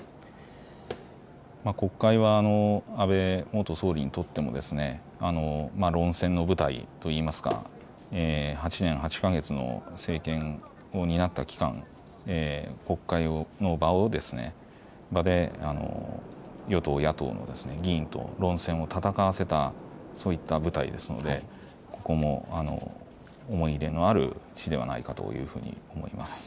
国会は安倍元総理にとっても論戦の舞台といいますか、８年８か月の政権を担った期間、国会の場で与党、野党の議員と論戦を戦わせたそういった舞台ですのでここも思い入れのある地ではないかというふうに思います。